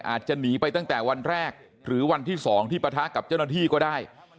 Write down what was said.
อาจจะหนีไปตั้งแต่วันแรกหรือวันที่๒ที่ปะทะกับเจ้าหน้าที่ก็ได้